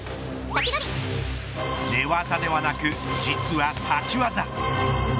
寝技ではなく実は立ち技。